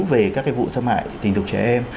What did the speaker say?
về các vụ xâm hại tình dục trẻ em